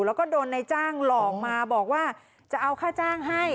แล้วก็โดนในจ้างหลอกมาบอกว่าจะเอาค่าจ้างให้